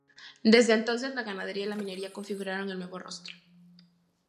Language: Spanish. Desde entonces la ganadería y minería configuraron el nuevo rostro.